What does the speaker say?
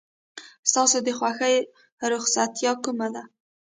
ستا د خوښې رخصتیا کومه ده؟